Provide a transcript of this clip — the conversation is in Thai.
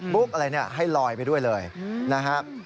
ุ๊กอะไรให้ลอยไปด้วยเลยนะครับ